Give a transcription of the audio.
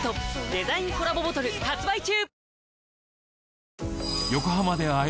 デザインコラボボトル発売中！